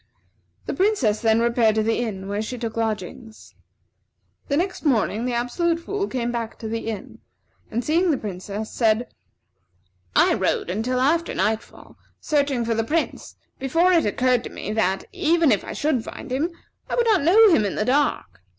The Princess then repaired to the inn, where she took lodgings. The next morning, the Absolute Fool came back to the inn, and seeing the Princess, said: "I rode until after night fall, searching for the Prince, before it occurred to me that, even if I should find him, I would not know him in the dark.